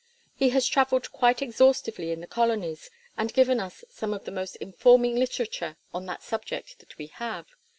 He has travelled quite exhaustively in the colonies and given us some of the most informing literature on that subject that we have.